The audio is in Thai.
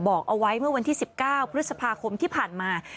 บอกเอาไว้เมื่อวันที่๑๙พฤษภาคมที่ผ่านมา